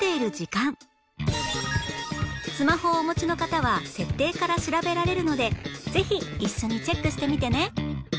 スマホをお持ちの方は設定から調べられるのでぜひ一緒にチェックしてみてね